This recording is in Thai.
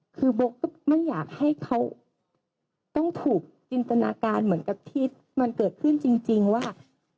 คือโบ๊ก็ไม่อยากให้เขาต้องถูกจินตนาการเหมือนกับที่มันเกิดขึ้นจริงว่า